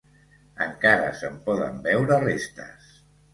Encara se'n poden veure restes.